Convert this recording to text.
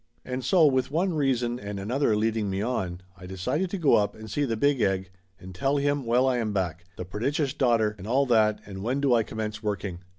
And so, with one reason and an other leading me on, I decided to go up and see the Big Egg and tell him well I am back, the prodigious daughter and all that, and when do I commence working